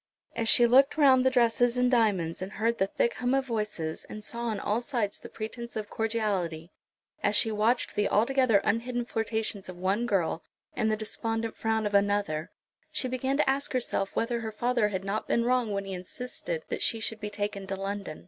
As she looked round on the dresses and diamonds, and heard the thick hum of voices, and saw on all sides the pretence of cordiality, as she watched the altogether unhidden flirtations of one girl, and the despondent frown of another, she began to ask herself whether her father had not been wrong when he insisted that she should be taken to London.